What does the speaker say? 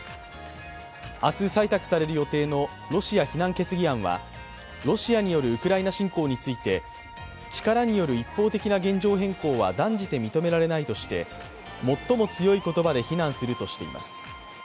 明日採択される予定のロシア非難決議案はロシアによるウクライナ侵攻について、力による一方的な現状変更は断じて認められないとして最も強い言葉で非難するとしています。